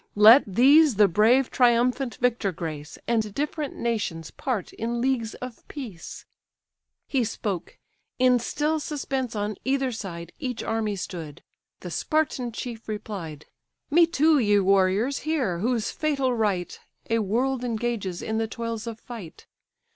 Let these the brave triumphant victor grace, And different nations part in leagues of peace." He spoke: in still suspense on either side Each army stood: the Spartan chief replied: "Me too, ye warriors, hear, whose fatal right A world engages in the toils of fight.